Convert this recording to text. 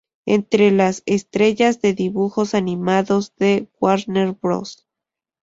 Entre las estrellas de dibujos animados de Warner Bros.